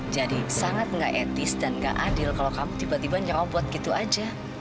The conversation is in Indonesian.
jadi sangat gak etis dan gak adil kalau kamu tiba tiba nyerobot gitu aja